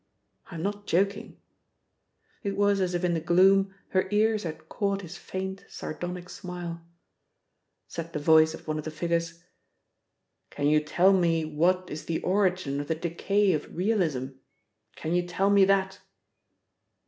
I'm not joking." (It was as if in the gloom her ears had caught his faint sardonic smile.) Said the voice of one of the figures: "Can you tell me what is the origin of the decay of realism? Can you tell me that?"